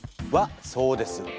そうです。